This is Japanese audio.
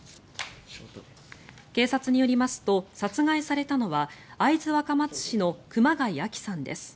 警察によりますと殺害されたのは会津若松市の熊谷亜己さんです。